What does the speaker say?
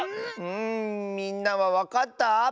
ん？んみんなはわかった？